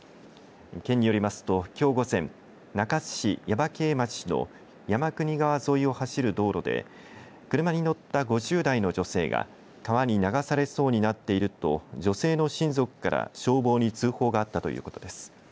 県によりますと、きょう午前中津市耶馬渓町の山国川沿いを走る道路で車に乗った５０代の女性が川に流されそうになっていると女性の親族から消防に通報があったということです。